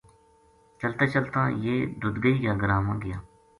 چلتاں چلتاں یہ ددگئی کا گراں ما گیا